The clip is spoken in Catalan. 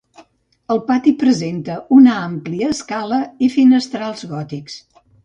El pati presenta una àmplia escala i finestrals gòtics.